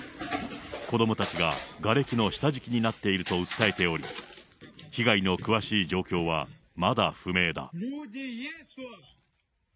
子どもたちががれきの下敷きになっていると訴えており、被害の詳しい状況はまだ不明だ。